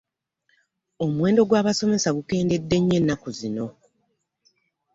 Omuwendo gw'abasomesa gukendedde nnyo ennaku zino.